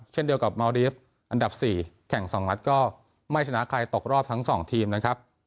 เช่นเดียวกับเมาดีฟอันดับ๔แข่ง๒นัดก็ไม่ชนะใครตกรอบทั้ง๒ทีมนะครับ